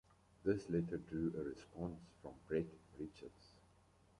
This letter drew a response from Brett Richards.